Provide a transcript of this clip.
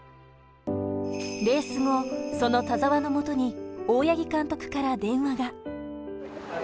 レース後、その田澤の元に大八木監督から電話が。